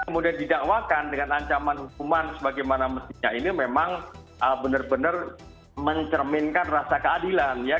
kemudian didakwakan dengan ancaman hukuman sebagaimana mestinya ini memang benar benar mencerminkan rasa keadilan ya